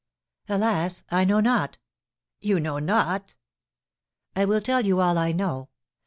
"Alas! I know not." "You know not?" "I will tell you all I know.